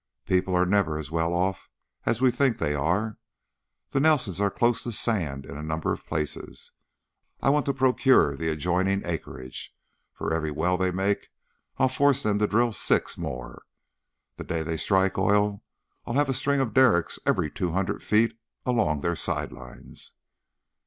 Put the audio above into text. People are never as well off as we think they are. The Nelsons are close to the sand in a number of places. I want to procure the adjoining acreage. For every well they make, I'll force them to drill six more. The day they strike oil I'll have a string of derricks every two hundred feet along their side lines."